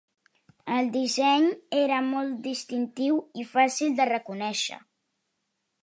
El disseny era molt distintiu i fàcil de reconèixer.